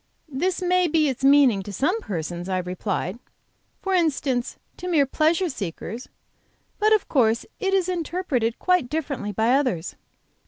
'" "This may be its meaning to some persons," I replied, "for instance, to mere pleasure seekers. But of course it is interpreted quite differently by others.